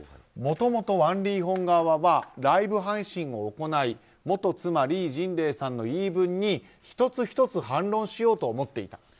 もともとワン・リーホン側はライブ配信を行い元妻リー・ジンレイさんの言い分に１つ１つ反論しようと思っていた。